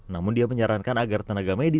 namun dia menyarankan agar tenaga medis